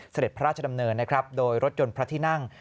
เสด็จพระราชดำเนินนะครับโดยรถยนต์พระที่นั่ง